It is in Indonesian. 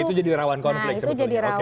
itu jadi rawan konflik